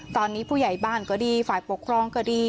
ตอนนี้ผู้ใหญ่บ้านก็ดีฝ่ายปกครองก็ดี